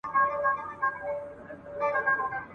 څوک به پوه سي چي له چا به ګیله من یې؟ ..